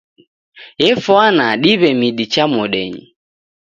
Efwana diw'e midi cha modenyi